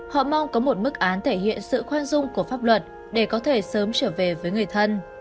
họ mong có một mức án thể hiện sự khoan dung của pháp luật để có thể sớm trở về với người thân